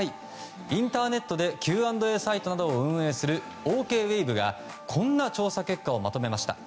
インターネットでＱ＆Ａサイトなどを運営するオウケイウェイヴがこんな調査結果をまとめました。